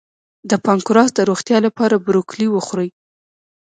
د پانکراس د روغتیا لپاره بروکولي وخورئ